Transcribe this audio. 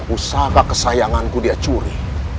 usahakah kesayanganku dia curi